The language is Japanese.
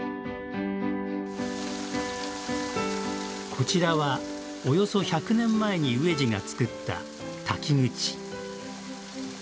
こちらは、およそ１００年前に植治がつくった滝口。